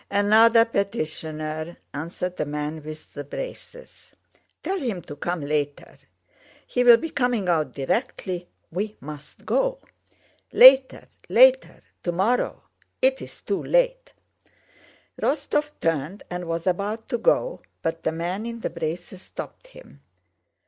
"Another petitioner," answered the man with the braces. "Tell him to come later. He'll be coming out directly, we must go." "Later... later! Tomorrow. It's too late..." Rostóv turned and was about to go, but the man in the braces stopped him.